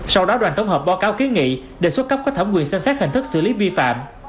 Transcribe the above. sau đó đoàn tổng hợp báo cáo kiến nghị đề xuất cấp có thẩm quyền xem xét hình thức xử lý vi phạm